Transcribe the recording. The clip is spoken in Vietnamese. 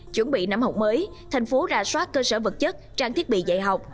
chuẩn bị năm học mới thành phố ra soát cơ sở vật chất trang thiết bị dạy học